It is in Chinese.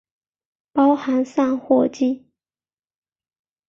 包含散货机。